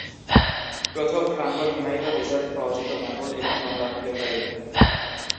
প্রথম ফ্রাংগো হিমায়িত ডেজার্ট পাওয়া যেত ম্যাপল এবং কমলার ফ্লেভারে।